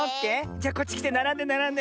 じゃこっちきてならんでならんで。